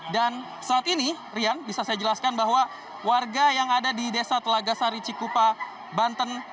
dan saat ini rian bisa saya jelaskan bahwa warga yang ada di desa telaga sari cikupa banten